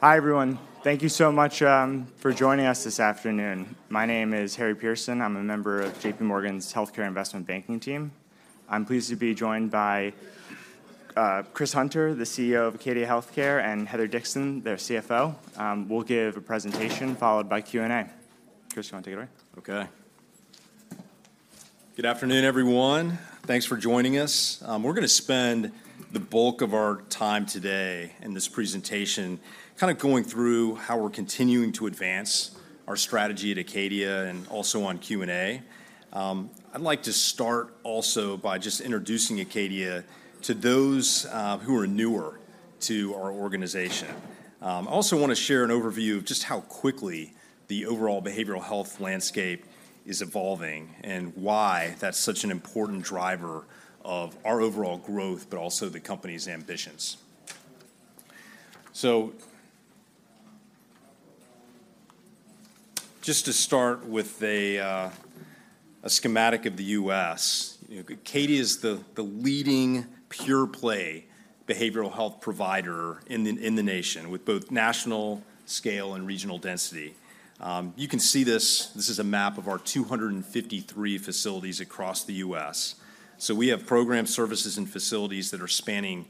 Hi, everyone. Thank you so much for joining us this afternoon. My name is Harry Pearson. I'm a member of J.P. Morgan's Healthcare Investment Banking team. I'm pleased to be joined by Chris Hunter, the CEO of Acadia Healthcare, and Heather Dixon, their CFO. We'll give a presentation followed by Q&A. Chris, you wanna take it away? Okay. Good afternoon, everyone. Thanks for joining us. We're gonna spend the bulk of our time today in this presentation kind of going through how we're continuing to advance our strategy at Acadia and also on Q&A. I'd like to start also by just introducing Acadia to those who are newer to our organization. I also wanna share an overview of just how quickly the overall behavioral health landscape is evolving and why that's such an important driver of our overall growth, but also the company's ambitions. So, just to start with a schematic of the U.S. Acadia is the leading pure-play behavioral health provider in the nation, with both national scale and regional density. You can see this. This is a map of our 253 facilities across the U.S. So we have programs, services, and facilities that are spanning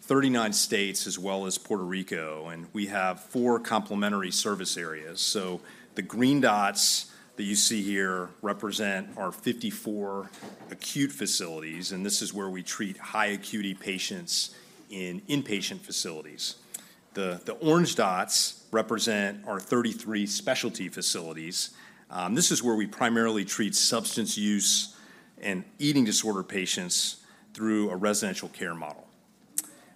39 states, as well as Puerto Rico, and we have four complementary service areas. So the green dots that you see here represent our 54 acute facilities, and this is where we treat high-acuity patients in inpatient facilities. The orange dots represent our 33 specialty facilities. This is where we primarily treat substance use and eating disorder patients through a residential care model.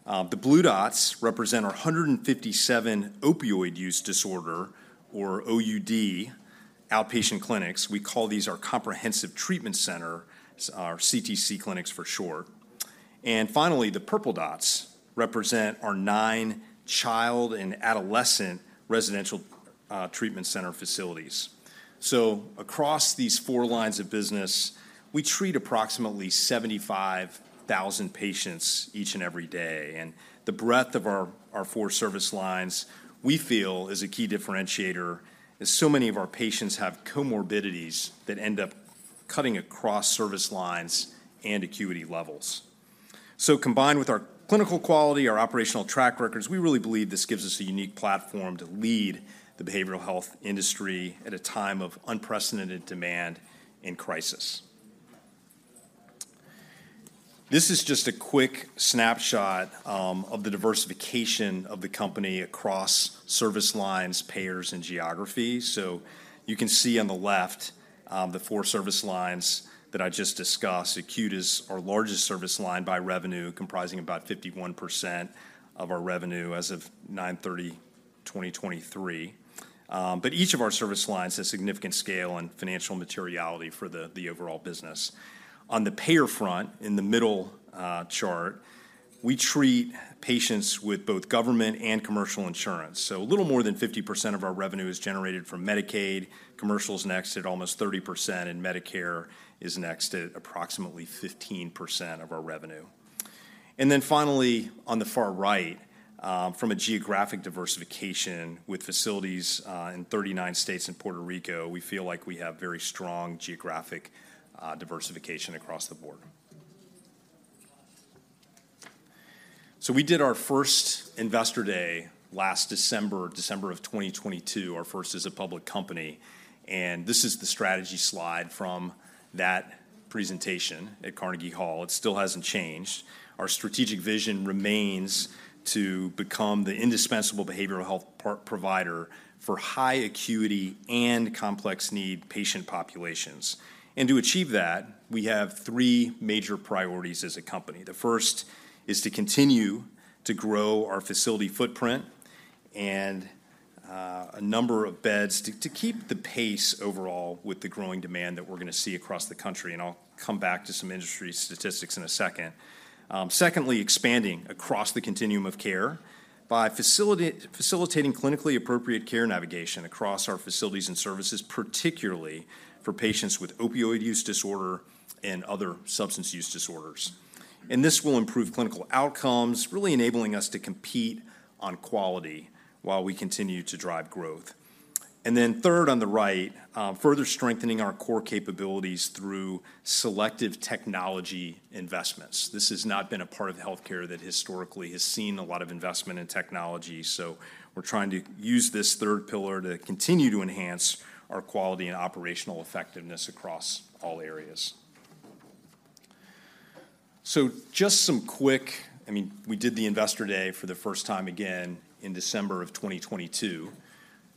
The blue dots represent our 157 opioid use disorder, or OUD, outpatient clinics. We call these our comprehensive treatment center, our CTC clinics for short. And finally, the purple dots represent our 9 child and adolescent residential treatment center facilities. So across these four lines of business, we treat approximately 75,000 patients each and every day, and the breadth of our, our four service lines, we feel, is a key differentiator, as so many of our patients have comorbidities that end up cutting across service lines and acuity levels. So combined with our clinical quality, our operational track records, we really believe this gives us a unique platform to lead the behavioral health industry at a time of unprecedented demand and crisis. This is just a quick snapshot of the diversification of the company across service lines, payers, and geography. So you can see on the left, the four service lines that I just discussed. Acute is our largest service line by revenue, comprising about 51% of our revenue as of 9/30/2023. But each of our service lines has significant scale and financial materiality for the overall business. On the payer front, in the middle chart, we treat patients with both government and commercial insurance. So a little more than 50% of our revenue is generated from Medicaid. Commercial is next at almost 30%, and Medicare is next at approximately 15% of our revenue. And then finally, on the far right, from a geographic diversification with facilities in 39 states and Puerto Rico, we feel like we have very strong geographic diversification across the board. So we did our first Investor Day last December, December 2022, our first as a public company, and this is the strategy slide from that presentation at Carnegie Hall. It still hasn't changed. Our strategic vision remains to become the indispensable behavioral health provider for high-acuity and complex-need patient populations. To achieve that, we have three major priorities as a company. The first is to continue to grow our facility footprint and a number of beds to keep the pace overall with the growing demand that we're gonna see across the country, and I'll come back to some industry statistics in a second. Secondly, expanding across the continuum of care by facilitating clinically appropriate care navigation across our facilities and services, particularly for patients with opioid use disorder and other substance use disorders. This will improve clinical outcomes, really enabling us to compete on quality while we continue to drive growth. Then third, on the right, further strengthening our core capabilities through selective technology investments. This has not been a part of healthcare that historically has seen a lot of investment in technology, so we're trying to use this third pillar to continue to enhance our quality and operational effectiveness across all areas. So just some quick I mean, we did the Investor Day for the first time again in December of 2022.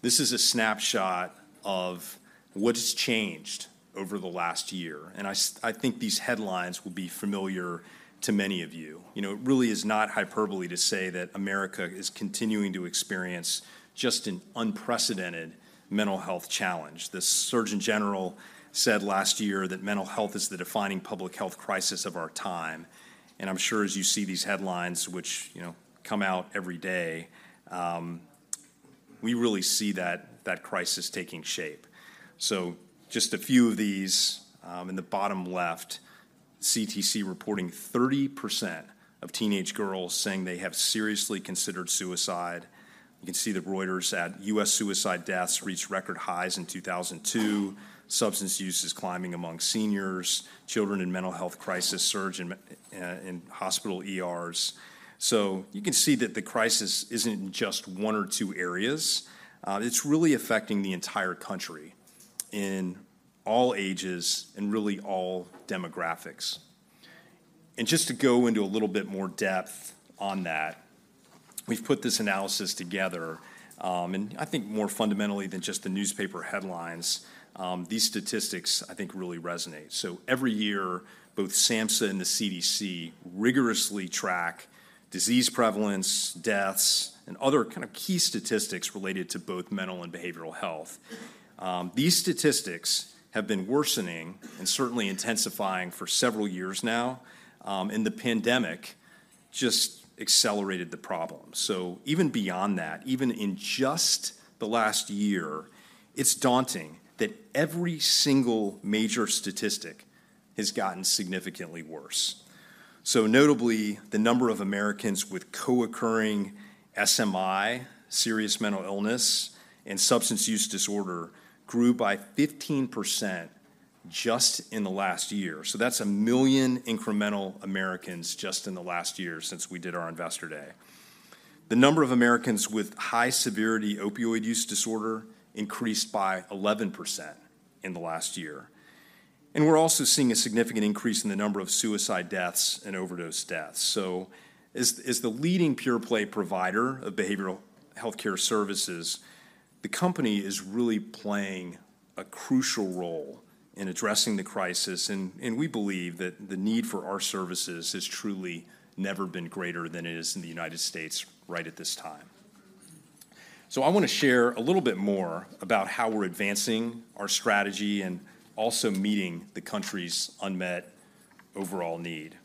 This is a snapshot of what has changed over the last year, and I think these headlines will be familiar to many of you. It really is not hyperbole to say that America is continuing to experience just an unprecedented mental health challenge. The Surgeon General said last year that mental health is the defining public health crisis of our time, and I'm sure as you see these headlines, which come out every day. We really see that crisis taking shape. So just a few of these, in the bottom left, CDC reporting 30% of teenage girls saying they have seriously considered suicide. You can see that Reuters said: U.S. suicide deaths reached record highs in 2002, substance use is climbing among seniors, children in mental health crisis surge in hospital ERs. So you can see that the crisis isn't in just one or two areas. It's really affecting the entire country in all ages and really all demographics. And just to go into a little bit more depth on that, we've put this analysis together, and I think more fundamentally than just the newspaper headlines, these statistics, I think, really resonate. So every year, both SAMHSA and the CDC rigorously track disease prevalence, deaths, and other kind of key statistics related to both mental and behavioral health. These statistics have been worsening and certainly intensifying for several years now, and the pandemic just accelerated the problem. So even beyond that, even in just the last year, it's daunting that every single major statistic has gotten significantly worse. So notably, the number of Americans with co-occurring SMI, serious mental illness, and substance use disorder grew by 15% just in the last year. So that's 1 million incremental Americans just in the last year since we did our Investor Day. The number of Americans with high-severity opioid use disorder increased by 11% in the last year. And we're also seeing a significant increase in the number of suicide deaths and overdose deaths. So as the leading pure-play provider of behavioral healthcare services, the company is really playing a crucial role in addressing the crisis, and we believe that the need for our services has truly never been greater than it is in the United States right at this time. So I want to share a little bit more about how we're advancing our strategy and also meeting the country's unmet overall need.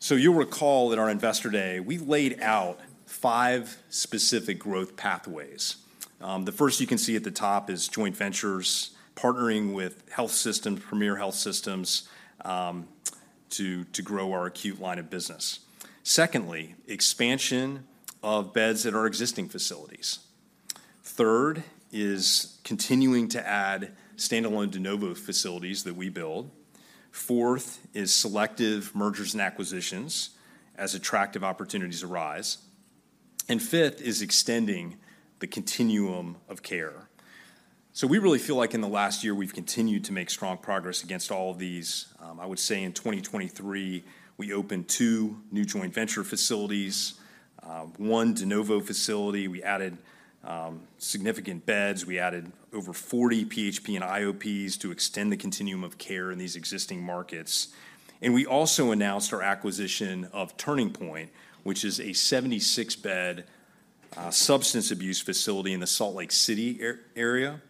So you'll recall at our Investor Day, we laid out five specific growth pathways. The first you can see at the top is joint ventures, partnering with health systems, premier health systems, to grow our acute line of business. Secondly, expansion of beds at our existing facilities. Third is continuing to add standalone de novo facilities that we build. Fourth is selective mergers and acquisitions as attractive opportunities arise. And fifth is extending the continuum of care. So we really feel like in the last year, we've continued to make strong progress against all of these. I would say in 2023, we opened 2 new joint venture facilities, one de novo facility. We added significant beds. We added over 40 PHP and IOPs to extend the continuum of care in these existing markets. And we also announced our acquisition of Turning Point, which is a 76-bed substance abuse facility in the Salt Lake City area,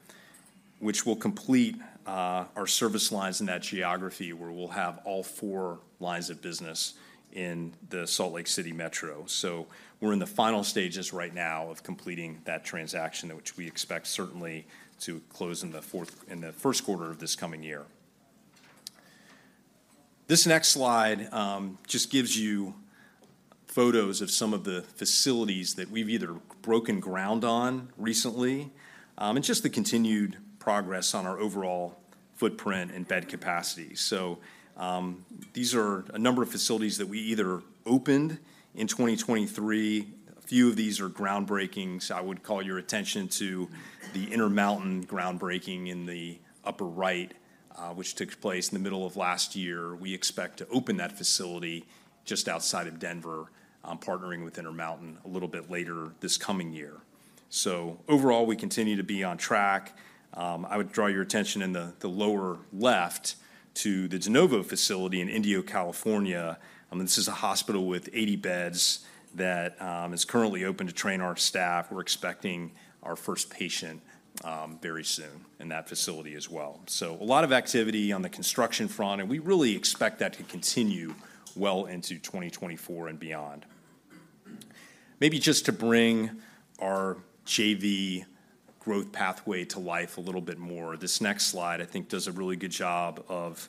which will complete our service lines in that geography, where we'll have all 4 lines of business in the Salt Lake City metro. So we're in the final stages right now of completing that transaction, which we expect certainly to close in the Q1 of this coming year. This next slide just gives you photos of some of the facilities that we've either broken ground on recently and just the continued progress on our overall footprint and bed capacity. So these are a number of facilities that we either opened in 2023. A few of these are groundbreakings. I would call your attention to the Intermountain groundbreaking in the upper right which took place in the middle of last year. We expect to open that facility just outside of Denver partnering with Intermountain a little bit later this coming year. So overall, we continue to be on track. I would draw your attention in the lower left to the de novo facility in Indio, California. This is a hospital with 80 beds that is currently open to train our staff. We're expecting our first patient very soon in that facility as well. So a lot of activity on the construction front, and we really expect that to continue well into 2024 and beyond. Maybe just to bring our JV growth pathway to life a little bit more, this next slide, I think, does a really good job of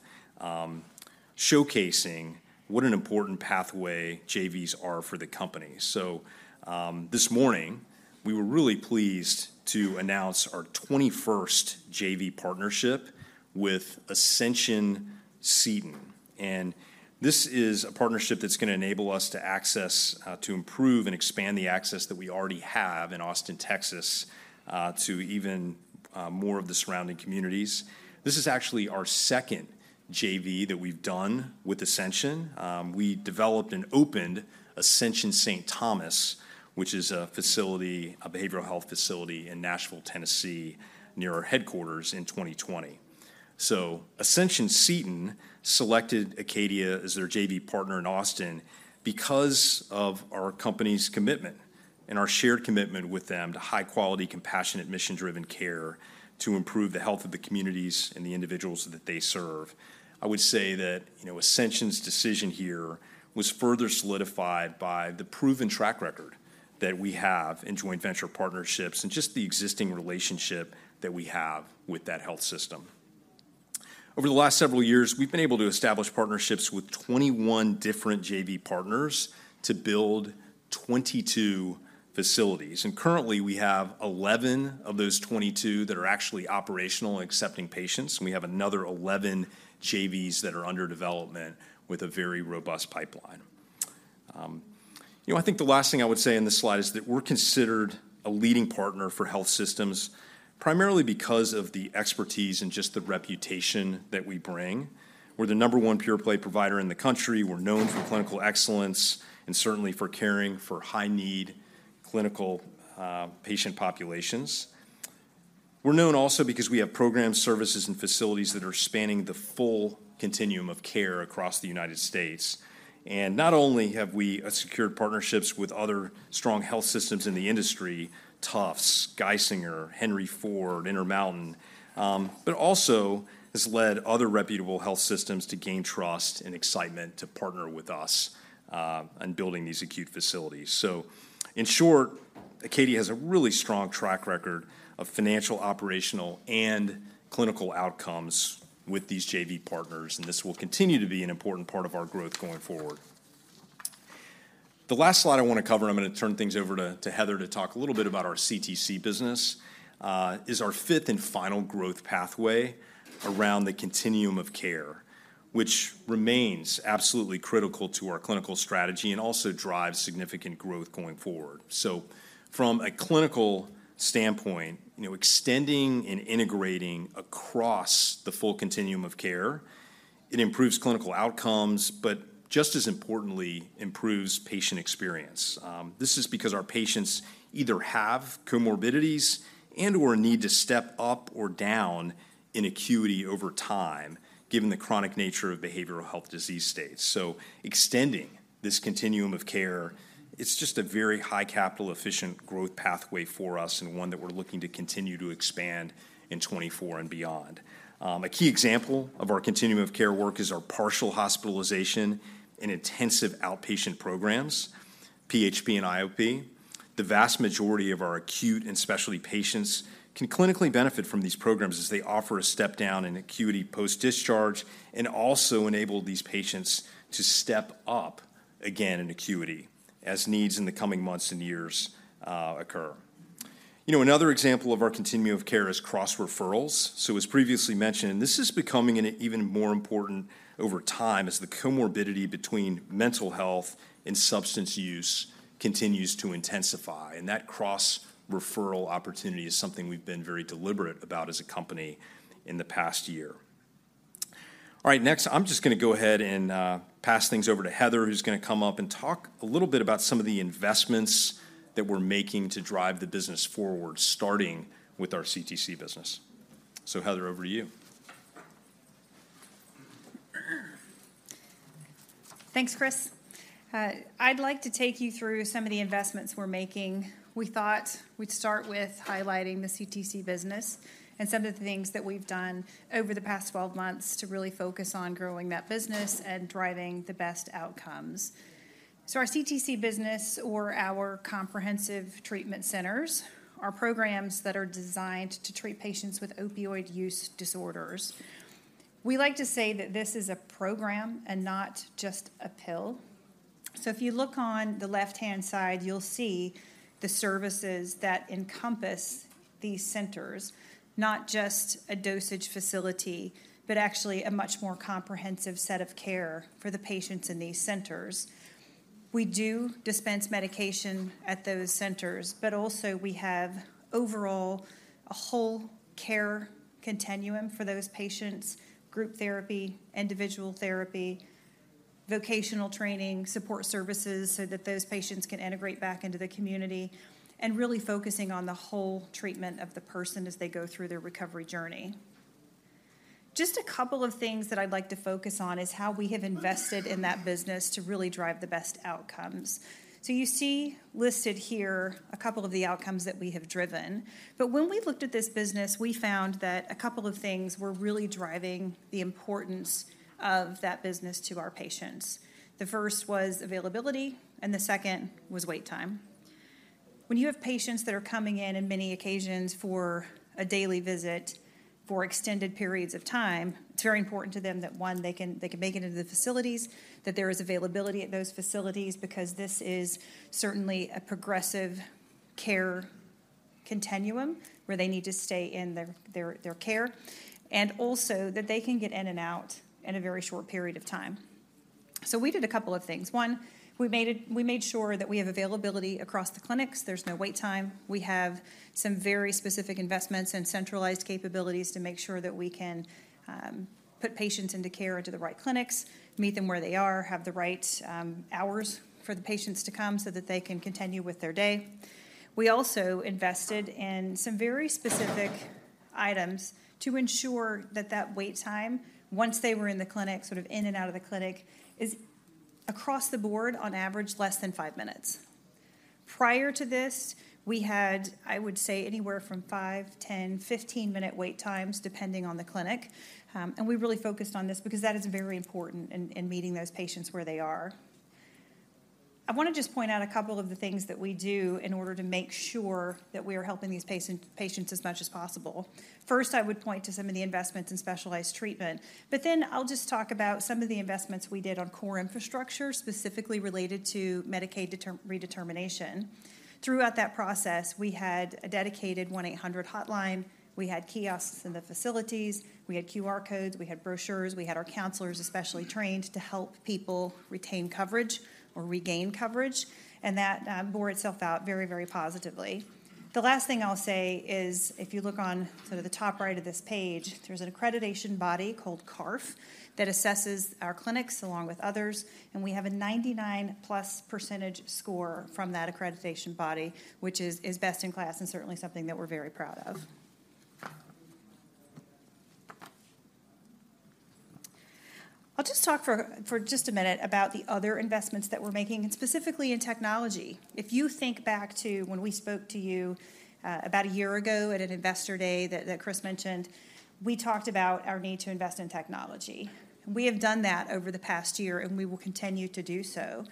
showcasing what an important pathway JVs are for the company. So this morning, we were really pleased to announce our 21st JV partnership with Ascension Seton, and this is a partnership that's going to enable us to access to improve and expand the access that we already have in Austin, Texas, to even more of the surrounding communities. This is actually our second JV that we've done with Ascension. We developed and opened Ascension Saint Thomas, which is a facility, a behavioral health facility in Nashville, Tennessee, near our headquarters in 2020. So Ascension Seton selected Acadia as their JV partner in Austin because of our company's commitment and our shared commitment with them to high-quality, compassionate, mission-driven care to improve the health of the communities and the individuals that they serve. I would say that Ascension's decision here was further solidified by the proven track record that we have in joint venture partnerships and just the existing relationship that we have with that health system. Over the last several years, we've been able to establish partnerships with 21 different JV partners to build 22 facilities. Currently, we have 11 of those 22 that are actually operational and accepting patients, and we have another 11 JVs that are under development with a very robust pipeline. I think the last thing I would say in this slide is that we're considered a leading partner for health systems, primarily because of the expertise and just the reputation that we bring. We're the number one pure-play provider in the country. We're known for clinical excellence and certainly for caring for high-need clinical patient populations. We're known also because we have programs, services, and facilities that are spanning the full continuum of care across the United States. And not only have we secured partnerships with other strong health systems in the industry, Tufts, Geisinger, Henry Ford, Intermountain, but also has led other reputable health systems to gain trust and excitement to partner with us on building these acute facilities. So in short, Acadia has a really strong track record of financial, operational, and clinical outcomes with these JV partners, and this will continue to be an important part of our growth going forward. The last slide I want to cover, and I'm going to turn things over to Heather to talk a little bit about our CTC business, is our fifth and final growth pathway around the continuum of care, which remains absolutely critical to our clinical strategy and also drives significant growth going forward. So from a clinical standpoint extending and integrating across the full continuum of care, it improves clinical outcomes, but just as importantly, improves patient experience. This is because our patients either have comorbidities and/or need to step up or down in acuity over time, given the chronic nature of behavioral health disease states. So extending this continuum of care, it's just a very high capital efficient growth pathway for us, and one that we're looking to continue to expand in 2024 and beyond. A key example of our continuum of care work is our partial hospitalization and intensive outpatient programs, PHP and IOP. The vast majority of our acute and specialty patients can clinically benefit from these programs as they offer a step down in acuity post-discharge, and also enable these patients to step up again in acuity as needs in the coming months and years, occur. Another example of our continuum of care is cross-referrals. So as previously mentioned, and this is becoming an even more important over time as the comorbidity between mental health and substance use continues to intensify, and that cross-referral opportunity is something we've been very deliberate about as a company in the past year. All right, next, I'm just going to go ahead and pass things over to Heather, who's going to come up and talk a little bit about some of the investments that we're making to drive the business forward, starting with our CTC business. So, Heather, over to you. Thanks, Chris. I'd like to take you through some of the investments we're making. We thought we'd start with highlighting the CTC business and some of the things that we've done over the past 12 months to really focus on growing that business and driving the best outcomes. So our CTC business, or our comprehensive treatment centers, are programs that are designed to treat patients with opioid use disorders. We like to say that this is a program and not just a pill. So if you look on the left-hand side, you'll see the services that encompass these centers, not just a dosage facility, but actually a much more comprehensive set of care for the patients in these centers. We do dispense medication at those centers, but also we have overall a whole care continuum for those patients, group therapy, individual therapy, vocational training, support services, so that those patients can integrate back into the community and really focusing on the whole treatment of the person as they go through their recovery journey. Just a couple of things that I'd like to focus on is how we have invested in that business to really drive the best outcomes. So you see listed here a couple of the outcomes that we have driven. But when we looked at this business, we found that a couple of things were really driving the importance of that business to our patients. The first was availability, and the second was wait time. When you have patients that are coming in, in many occasions for a daily visit for extended periods of time, it's very important to them that, one, they can, they can make it into the facilities, that there is availability at those facilities, because this is certainly a progressive care continuum where they need to stay in their care, and also that they can get in and out in a very short period of time. So we did a couple of things. One, we made sure that we have availability across the clinics. There's no wait time. We have some very specific investments and centralized capabilities to make sure that we can put patients into care, into the right clinics, meet them where they are, have the right hours for the patients to come so that they can continue with their day. We also invested in some very specific items to ensure that that wait time, once they were in the clinic, sort of in and out of the clinic, is across the board, on average, less than five minutes. Prior to this, we had, I would say, anywhere from five, 10, 15-minute wait times, depending on the clinic. And we really focused on this because that is very important in, in meeting those patients where they are. I want to just point out a couple of the things that we do in order to make sure that we are helping these patient, patients as much as possible. First, I would point to some of the investments in specialized treatment, but then I'll just talk about some of the investments we did on core infrastructure, specifically related to Medicaid Redetermination. Throughout that process, we had a dedicated 1-800 hotline, we had kiosks in the facilities, we had QR codes, we had brochures, we had our counselors especially trained to help people retain coverage or regain coverage, and that bore itself out very, very positively. The last thing I'll say is, if you look on sort of the top right of this page, there's an accreditation body called CARF that assesses our clinics along with others, and we have a 99+% score from that accreditation body, which is best in class and certainly something that we're very proud of. I'll just talk for just a minute about the other investments that we're making, and specifically in technology. If you think back to when we spoke to you about a year ago at an investor day that Chris mentioned, we talked about our need to invest in technology. We have done that over the past year, and we will continue to do so.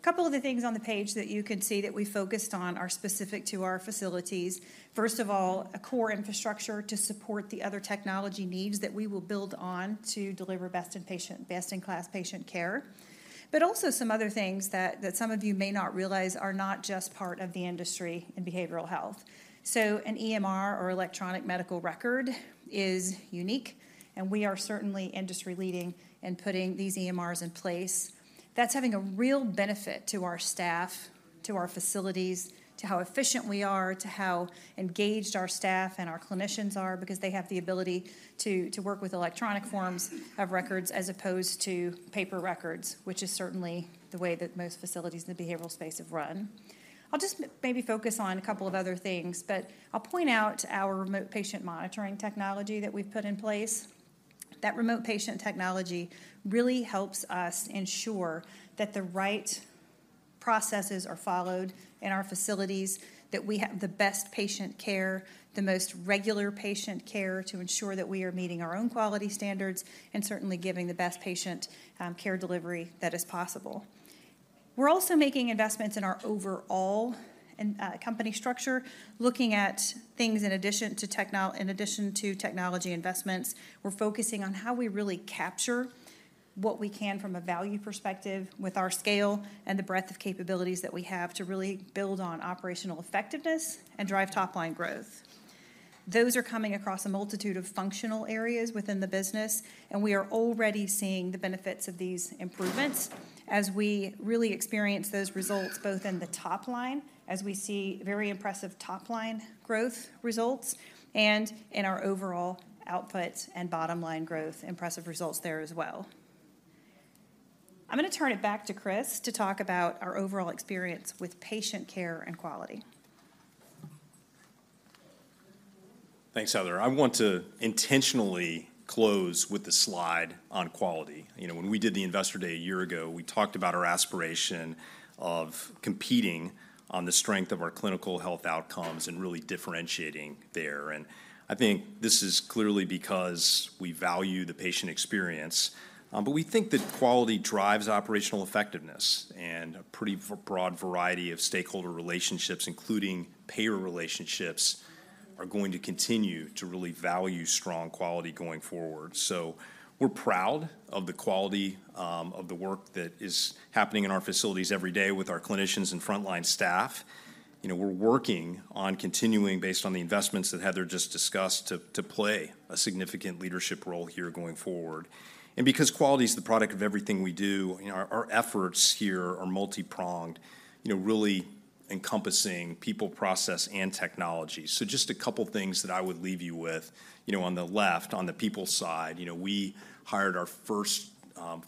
A couple of the things on the page that you can see that we focused on are specific to our facilities. First of all, a core infrastructure to support the other technology needs that we will build on to deliver best in class patient care. But also some other things that some of you may not realize are not just part of the industry in behavioral health. So an EMR, or electronic medical record, is unique, and we are certainly industry leading in putting these EMRs in place. That's having a real benefit to our staff, to our facilities, to how efficient we are, to how engaged our staff and our clinicians are, because they have the ability to work with electronic forms of records as opposed to paper records, which is certainly the way that most facilities in the behavioral space have run. I'll just maybe focus on a couple of other things, but I'll point out our remote patient monitoring technology that we've put in place. That remote patient technology really helps us ensure that the right processes are followed in our facilities, that we have the best patient care, the most regular patient care, to ensure that we are meeting our own quality standards, and certainly giving the best patient care delivery that is possible. We're also making investments in our overall company structure, looking at things in addition to technology investments. We're focusing on how we really capture what we can from a value perspective with our scale and the breadth of capabilities that we have to really build on operational effectiveness and drive top-line growth. Those are coming across a multitude of functional areas within the business, and we are already seeing the benefits of these improvements as we really experience those results both in the top line, as we see very impressive top-line growth results, and in our overall output and bottom-line growth, impressive results there as well. I'm gonna turn it back to Chris to talk about our overall experience with patient care and quality. Thanks, Heather. I want to intentionally close with the slide on quality. When we did the investor day a year ago, we talked about our aspiration of competing on the strength of our clinical health outcomes and really differentiating there. And I think this is clearly because we value the patient experience, but we think that quality drives operational effectiveness. And a pretty broad variety of stakeholder relationships, including payer relationships, are going to continue to really value strong quality going forward. So we're proud of the quality of the work that is happening in our facilities every day with our clinicians and frontline staff. We're working on continuing, based on the investments that Heather just discussed, to play a significant leadership role here going forward. And because quality is the product of everything we do our efforts here are multi-pronged really encompassing people, process, and technology. So just a couple things that I would leave you with. On the left, on the people side we hired our first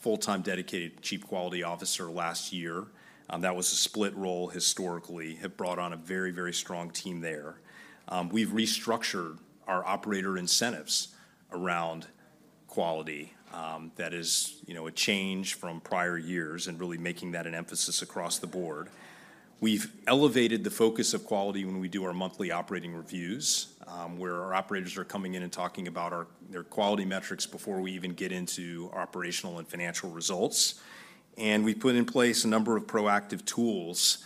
full-time dedicated Chief Quality Officer last year. That was a split role historically. We have brought on a very, very strong team there. We've restructured our operator incentives around quality, that is a change from prior years and really making that an emphasis across the board. We've elevated the focus of quality when we do our monthly operating reviews, where our operators are coming in and talking about their quality metrics before we even get into operational and financial results. And we've put in place a number of proactive tools,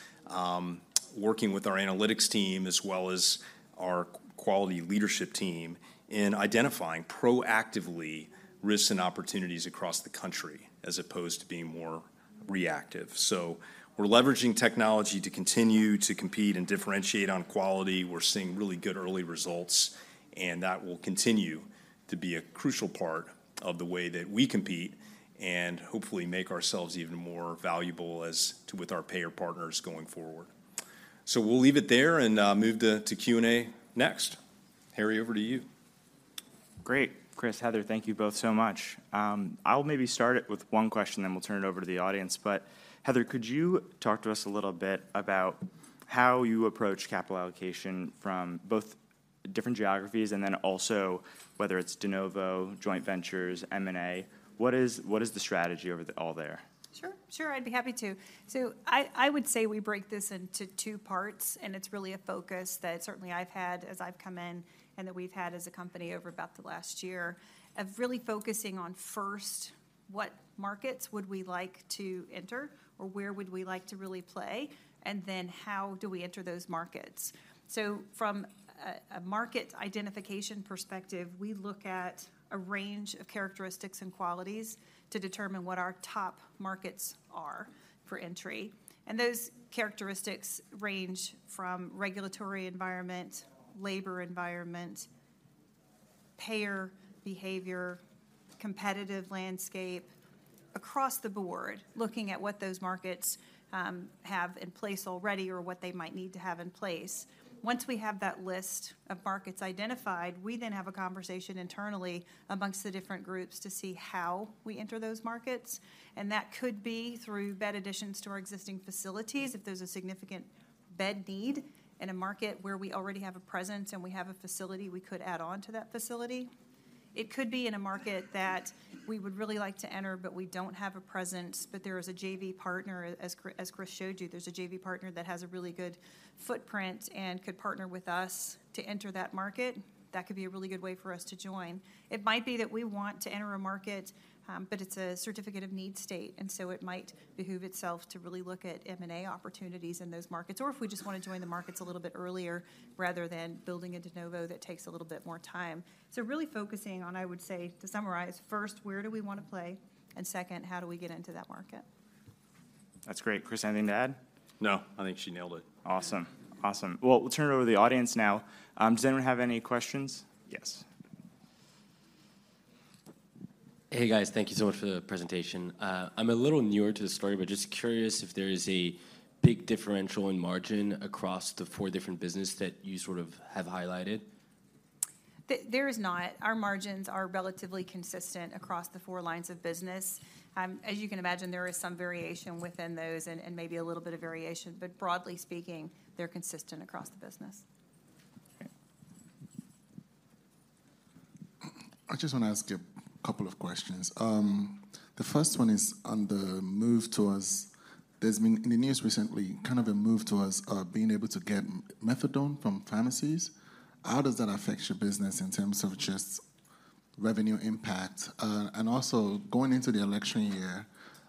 working with our analytics team, as well as our quality leadership team, in identifying proactively risks and opportunities across the country, as opposed to being more reactive. So we're leveraging technology to continue to compete and differentiate on quality. We're seeing really good early results, and that will continue to be a crucial part of the way that we compete and hopefully make ourselves even more valuable as to with our payer partners going forward. So we'll leave it there and move to Q&A next. Harry, over to you. Great. Chris, Heather, thank you both so much. I'll maybe start it with one question, then we'll turn it over to the audience. But Heather, could you talk to us a little bit about how you approach capital allocation from both different geographies, and then also whether it's de novo, joint ventures, M&A? What is, what is the strategy overall there? Sure, sure, I'd be happy to. So I, I would say we break this into two parts, and it's really a focus that certainly I've had as I've come in and that we've had as a company over about the last year, of really focusing on first-... what markets would we like to enter, or where would we like to really play? And then how do we enter those markets? So from a market identification perspective, we look at a range of characteristics and qualities to determine what our top markets are for entry. And those characteristics range from regulatory environment, labor environment, payer behavior, competitive landscape, across the board, looking at what those markets have in place already or what they might need to have in place. Once we have that list of markets identified, we then have a conversation internally amongst the different groups to see how we enter those markets, and that could be through bed additions to our existing facilities. If there's a significant bed need in a market where we already have a presence and we have a facility, we could add on to that facility. It could be in a market that we would really like to enter, but we don't have a presence, but there is a JV partner, as Chris showed you, there's a JV partner that has a really good footprint and could partner with us to enter that market. That could be a really good way for us to join. It might be that we want to enter a market, but it's a Certificate of Need state, and so it might behoove itself to really look at M&A opportunities in those markets, or if we just wanna join the markets a little bit earlier rather than building a de novo that takes a little bit more time. So really focusing on, I would say, to summarize, first, where do we wanna play? And second, how do we get into that market? That's great. Chris, anything to add? No, I think she nailed it. Awesome. Awesome. Well, we'll turn it over to the audience now. Does anyone have any questions? Yes. Hey, guys. Thank you so much for the presentation. I'm a little newer to the story, but just curious if there is a big differential in margin across the four different business that you sort of have highlighted? There is not. Our margins are relatively consistent across the four lines of business. As you can imagine, there is some variation within those and maybe a little bit of variation, but broadly speaking, they're consistent across the business. Okay. I just want to ask a couple of questions. The first one is on the move towards, there's been in the news recently, kind of a move towards being able to get methadone from pharmacies. How does that affect your business in terms of just revenue impact? And also, going into the election year,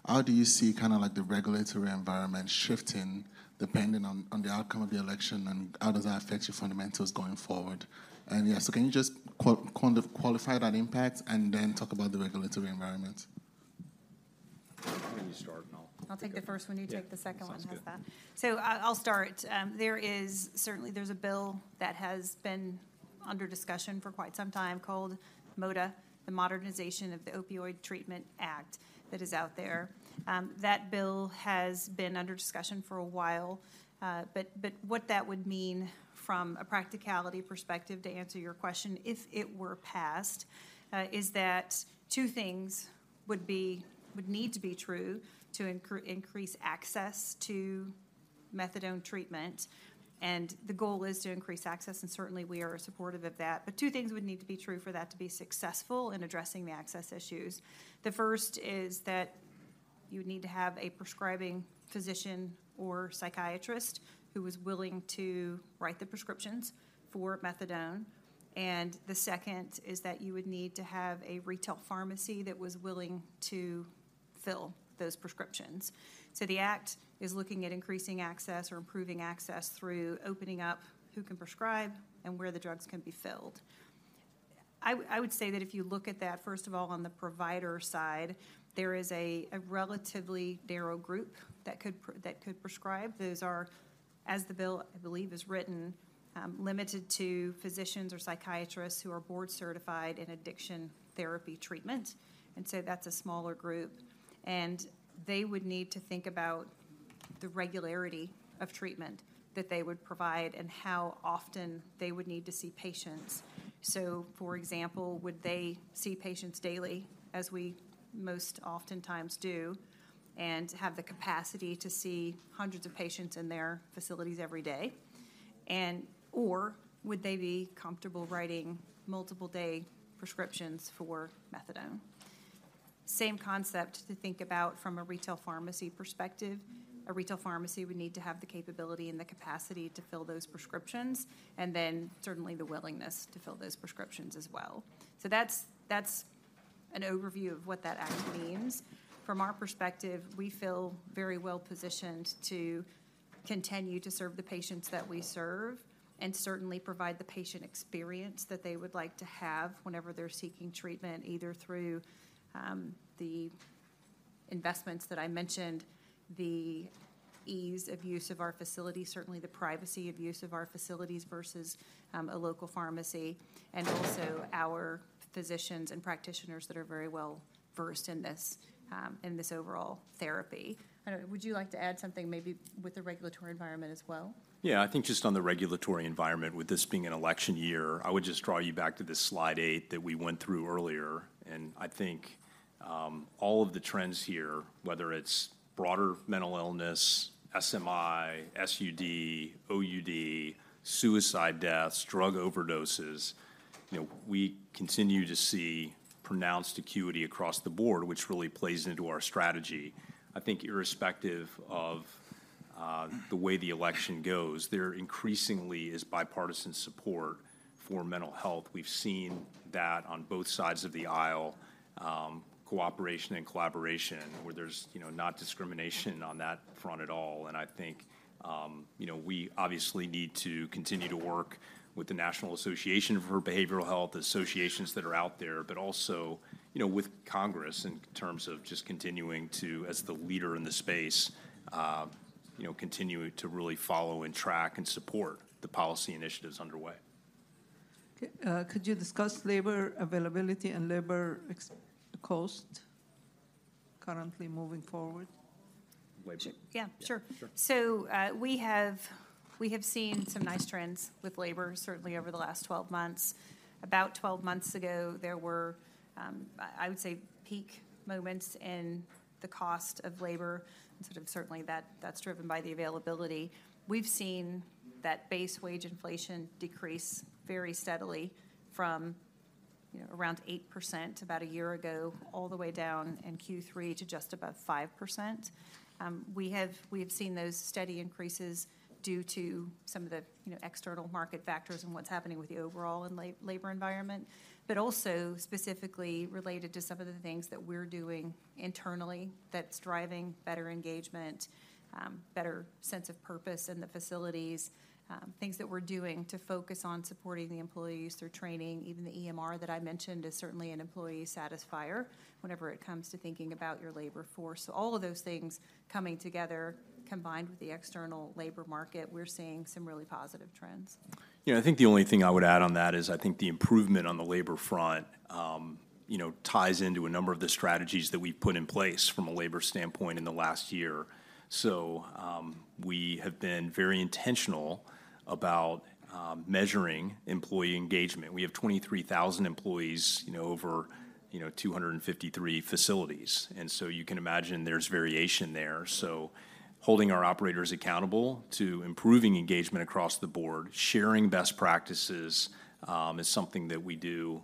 how do you see kind of like the regulatory environment shifting depending on the outcome of the election, and how does that affect your fundamentals going forward? Yeah, so can you just kind of qualify that impact and then talk about the regulatory environment? Why don't you start and I'll- I'll take the first one- Yeah... you take the second one. Sounds good. How's that? So I'll start. There is certainly a bill that has been under discussion for quite some time called MOTA, the Modernization of the Opioid Treatment Act, that is out there. That bill has been under discussion for a while, but what that would mean from a practicality perspective, to answer your question, if it were passed, is that two things would need to be true to increase access to methadone treatment, and the goal is to increase access, and certainly, we are supportive of that. But two things would need to be true for that to be successful in addressing the access issues. The first is that you would need to have a prescribing physician or psychiatrist who was willing to write the prescriptions for methadone, and the second is that you would need to have a retail pharmacy that was willing to fill those prescriptions. So the act is looking at increasing access or improving access through opening up who can prescribe and where the drugs can be filled. I would say that if you look at that, first of all, on the provider side, there is a relatively narrow group that could prescribe. Those are, as the bill, I believe, is written, limited to physicians or psychiatrists who are board-certified in addiction therapy treatment, and so that's a smaller group. And they would need to think about the regularity of treatment that they would provide and how often they would need to see patients. So, for example, would they see patients daily, as we most oftentimes do, and have the capacity to see hundreds of patients in their facilities every day? And or would they be comfortable writing multiple-day prescriptions for Methadone? Same concept to think about from a retail pharmacy perspective. A retail pharmacy would need to have the capability and the capacity to fill those prescriptions, and then certainly the willingness to fill those prescriptions as well. So that's, that's an overview of what that act means. From our perspective, we feel very well positioned to continue to serve the patients that we serve and certainly provide the patient experience that they would like to have whenever they're seeking treatment, either through the investments that I mentioned, the ease of use of our facility, certainly the privacy of use of our facilities versus a local pharmacy, and also our physicians and practitioners that are very well-versed in this, in this overall therapy. I don't know, would you like to add something maybe with the regulatory environment as well? Yeah, I think just on the regulatory environment, with this being an election year, I would just draw you back to this slide 8 that we went through earlier. I think all of the trends here, whether it's broader mental illness, SMI, SUD, OUD, suicide deaths, drug overdoses we continue to see pronounced acuity across the board, which really plays into our strategy. I think irrespective of the way the election goes, there increasingly is bipartisan support for mental health. We've seen that on both sides of the aisle, cooperation and collaboration, where there's not discrimination on that front at all. I think we obviously need to continue to work with the National Association for Behavioral Healthcare, associations that are out there, but also with Congress in terms of just continuing to, as the leader in the space continue to really follow and track and support the policy initiatives underway. Okay, could you discuss labor availability and labor cost currently moving forward? Wage. Yeah, sure. Yeah, sure. So, we have seen some nice trends with labor, certainly over the last 12 months. About 12 months ago, there were, I would say, peak moments in the cost of labor, and certainly that's driven by the availability. We've seen that base wage inflation decrease very steadily from around 8% about a year ago, all the way down in Q3 to just above 5%. We have seen those steady increases due to some of the external market factors and what's happening with the overall labor environment. But also, specifically related to some of the things that we're doing internally that's driving better engagement, better sense of purpose in the facilities, things that we're doing to focus on supporting the employees through training. Even the EMR that I mentioned is certainly an employee satisfier whenever it comes to thinking about your labor force. So all of those things coming together, combined with the external labor market, we're seeing some really positive trends. Yeah, I think the only thing I would add on that is, I think the improvement on the labor front ties into a number of the strategies that we've put in place from a labor standpoint in the last year. So, we have been very intentional about measuring employee engagement. We have 23,000 employees over 253 facilities, and so you can imagine there's variation there. So holding our operators accountable to improving engagement across the board, sharing best practices, is something that we do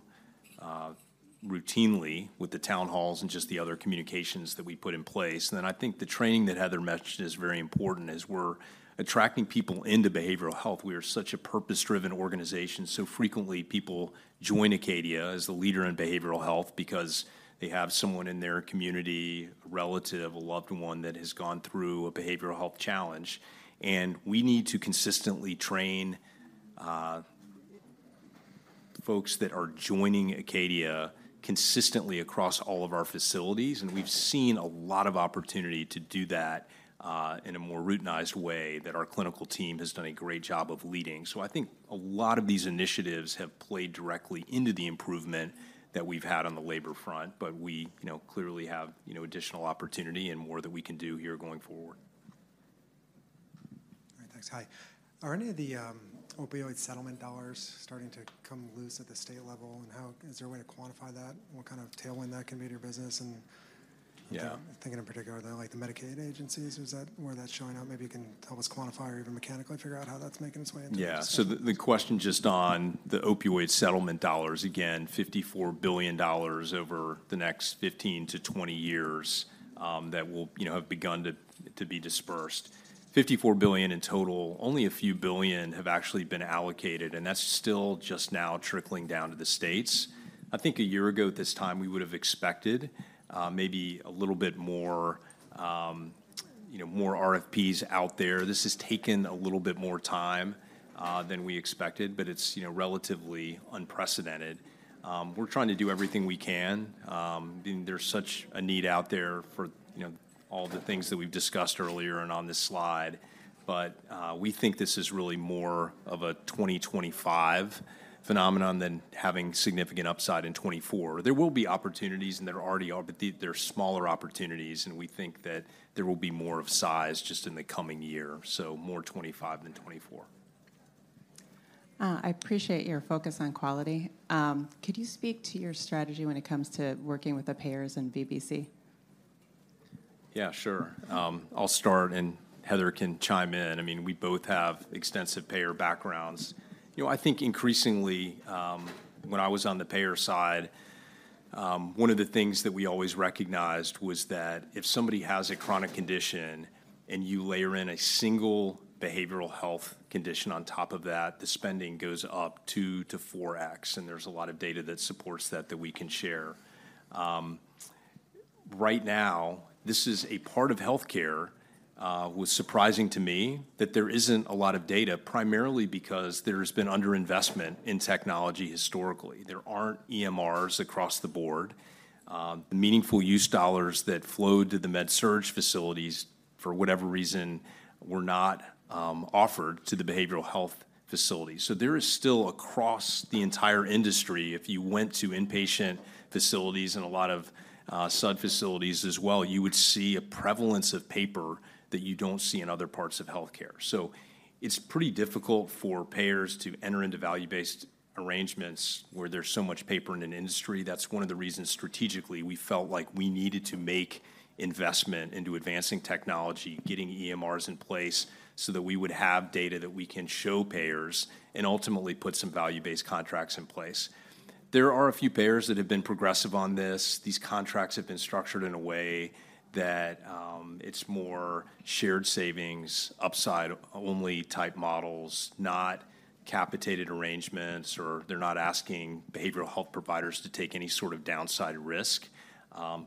routinely with the town halls and just the other communications that we put in place. And then I think the training that Heather mentioned is very important, as we're attracting people into behavioral health. We are such a purpose-driven organization, so frequently people join Acadia as the leader in behavioral health because they have someone in their community, a relative, a loved one, that has gone through a behavioral health challenge. And we need to consistently train folks that are joining Acadia consistently across all of our facilities, and we've seen a lot of opportunity to do that in a more routinized way that our clinical team has done a great job of leading. So I think a lot of these initiatives have played directly into the improvement that we've had on the labor front, but we clearly have additional opportunity and more that we can do here going forward. All right, thanks. Hi. Are any of the opioid settlement dollars starting to come loose at the state level? And how is there a way to quantify that? What kind of tailwind that can be to your business, and- Yeah... I'm thinking in particular, though, like the Medicaid agencies, is that where that's showing up? Maybe you can help us quantify or even mechanically figure out how that's making its way into- Yeah. So the question just on the opioid settlement dollars, again, $54 billion over the next 15-20 years, that will have begun to be dispersed. $54 billion in total, only a few billion have actually been allocated, and that's still just now trickling down to the states. I think a year ago at this time, we would have expected maybe a little bit more more RFPs out there. This has taken a little bit more time than we expected, but it's relatively unprecedented. We're trying to do everything we can. There's such a need out there for all the things that we've discussed earlier and on this slide. But we think this is really more of a 2025 phenomenon than having significant upside in 2024. There will be opportunities, and there already are, but they're smaller opportunities, and we think that there will be more of size just in the coming year, so more 2025 than 2024. I appreciate your focus on quality. Could you speak to your strategy when it comes to working with the payers and VBC? Yeah, sure. I'll start, and Heather can chime in. I mean, we both have extensive payer backgrounds. I think increasingly, when I was on the payer side, one of the things that we always recognized was that if somebody has a chronic condition and you layer in a single behavioral health condition on top of that, the spending goes up 2-4X, and there's a lot of data that supports that, that we can share. Right now, this is a part of healthcare was surprising to me that there isn't a lot of data, primarily because there's been underinvestment in technology historically. There aren't EMRs across the board. The meaningful use dollars that flowed to the med-surg facilities, for whatever reason, were not offered to the behavioral health facilities. So there is still, across the entire industry, if you went to inpatient facilities and a lot of SUD facilities as well, you would see a prevalence of paper that you don't see in other parts of healthcare. So it's pretty difficult for payers to enter into value-based arrangements where there's so much paper in an industry. That's one of the reasons, strategically, we felt like we needed to make investment into advancing technology, getting EMRs in place so that we would have data that we can show payers, and ultimately put some value-based contracts in place. There are a few payers that have been progressive on this. These contracts have been structured in a way that it's more shared savings, upside only type models, not capitated arrangements, or they're not asking behavioral health providers to take any sort of downside risk.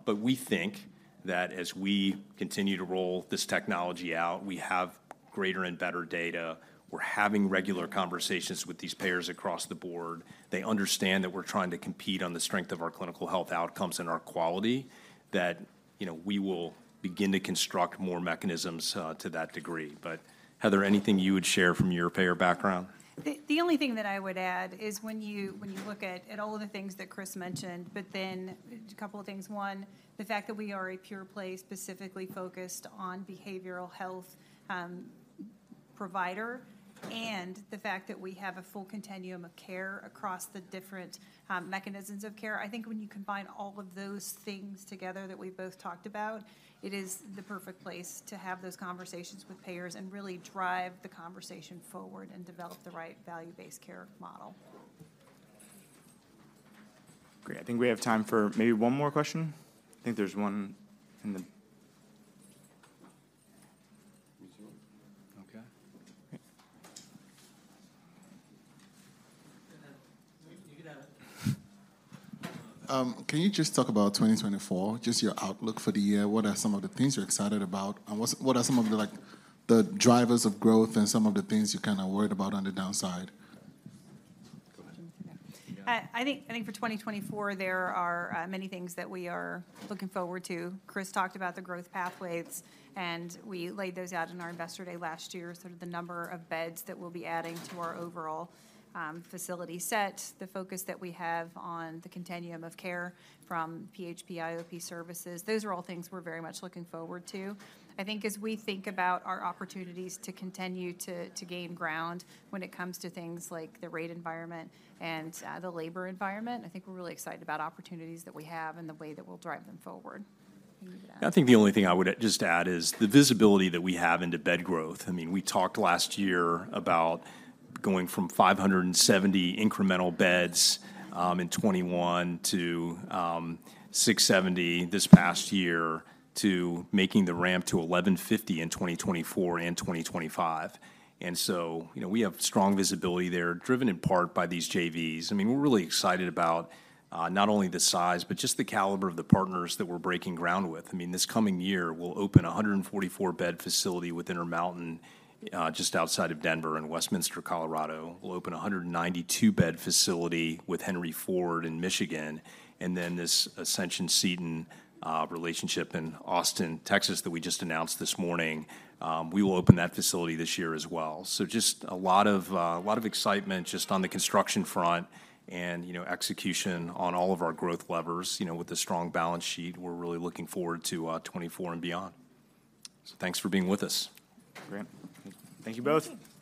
But we think that as we continue to roll this technology out, we have greater and better data. We're having regular conversations with these payers across the board. They understand that we're trying to compete on the strength of our clinical health outcomes and our quality, that we will begin to construct more mechanisms, to that degree. But Heather, anything you would share from your payer background? The only thing that I would add is when you look at all of the things that Chris mentioned, but then a couple of things. One, the fact that we are a pure play specifically focused on behavioral health provider, and the fact that we have a full continuum of care across the different mechanisms of care. I think when you combine all of those things together that we both talked about, it is the perfect place to have those conversations with payers and really drive the conversation forward and develop the right value-based care model. Great. I think we have time for maybe one more question. I think there's one in the... Okay. You can have it. Can you just talk about 2024, just your outlook for the year? What are some of the things you're excited about, and what's- what are some of the, like, the drivers of growth and some of the things you're kinda worried about on the downside? Go ahead. I think, I think for 2024, there are many things that we are looking forward to. Chris talked about the growth pathways, and we laid those out in our Investor Day last year, sort of the number of beds that we'll be adding to our overall facility set, the focus that we have on the continuum of care from PHP, IOP services. Those are all things we're very much looking forward to. I think as we think about our opportunities to continue to gain ground when it comes to things like the rate environment and the labor environment, I think we're really excited about opportunities that we have and the way that we'll drive them forward. I think the only thing I would just add is the visibility that we have into bed growth. I mean, we talked last year about going from 570 incremental beds in 2021 to 670 this past year, to making the ramp to 1,150 in 2024 and 2025. And so we have strong visibility there, driven in part by these JVs. I mean, we're really excited about not only the size, but just the caliber of the partners that we're breaking ground with. I mean, this coming year, we'll open a 144-bed facility with Intermountain just outside of Denver in Westminster, Colorado. We'll open a 192-bed facility with Henry Ford in Michigan, and then this Ascension Seton relationship in Austin, Texas, that we just announced this morning. We will open that facility this year as well. So just a lot of a lot of excitement just on the construction front and execution on all of our growth levers. With a strong balance sheet, we're really looking forward to 2024 and beyond. So thanks for being with us. Great. Thank you both.